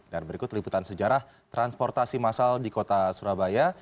dan berikut liputan sejarah transportasi masal di kota surabaya